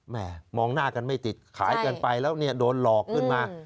มองหน้ากันไม่ติดขายกันไปแล้วเนี่ยโดนหลอกขึ้นมา